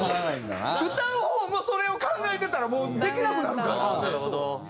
歌う方もそれを考えてたらもうできなくなるから。